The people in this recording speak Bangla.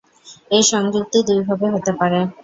এ সংযুক্তি দুইভাবে হতে পারে।